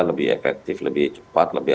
lebih efektif lebih cepat lebih